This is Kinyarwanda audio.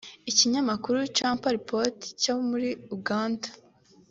Ikinyamakuru Chimpreports cyo muri Uganda